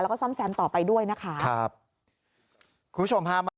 แล้วก็ซ่อมแซมต่อไปด้วยนะคะครับคุณผู้ชมฮะมา